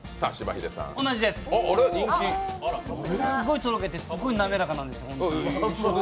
同じです、すっごいとろけてすっごい滑らかなんですよ。